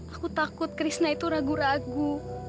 aku takut krishna itu ragu ragu